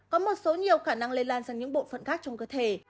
có một số nhiều khả năng lây lan sang những bộ phận khác trong cơ thể